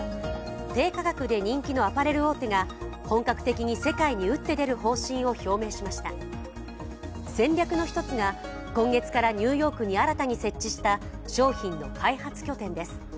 低価格で人気のアパレル大手が本格的に世界に打って出る方針を表明しました戦略の一つが、今月からニューヨークに新に設置した、商品の開発拠点です。